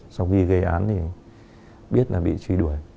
sau khi gây án thì biết là bị truy đuổi